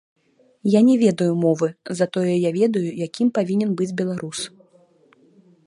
Я не ведаю мовы, затое я ведаю, якім павінен быць беларус.